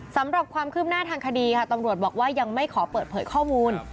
สำหรับความคืบหน้าทางคดีค่ะตำรวจบอกว่ายังไม่ขอเปิดเผยข้อมูล